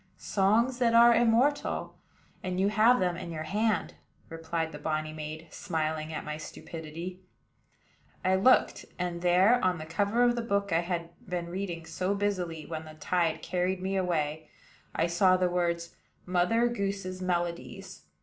"Songs that are immortal; and you have them in your hand," replied the bonny maid, smiling at my stupidity. I looked; and there, on the cover of the book I had been reading so busily when the tide carried me away, I saw the words "Mother Goose's Melodies."